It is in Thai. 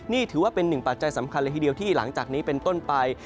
นี่ถือว่าเป็นหนึ่งปัจจัยสำคัญเลยทีเดียวที่หลังจากนี้เป็นต้นไป